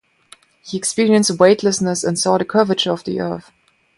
He experienced weightlessness and saw the curvature of the Earth.